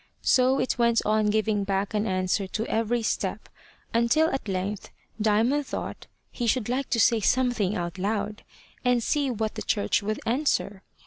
So it went on giving back an answer to every step, until at length Diamond thought he should like to say something out loud, and see what the church would answer.